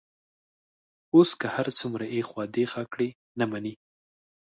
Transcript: اوس که هر څومره ایخوا دیخوا کړي، نه مني.